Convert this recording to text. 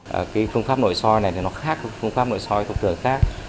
cái phương pháp nội soi này nó khác với phương pháp nội soi thông thường khác